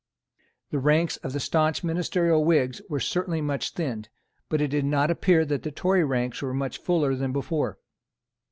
The ranks of the staunch ministerial Whigs were certainly much thinned; but it did not appear that the Tory ranks were much fuller than before.